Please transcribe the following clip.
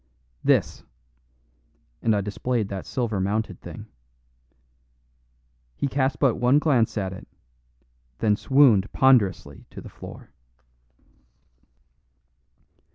"This!" and I displayed that silver mounted thing. He cast but one glance at it, then swooned ponderously to the floor.